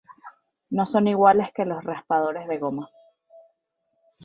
No son iguales que los raspadores de goma.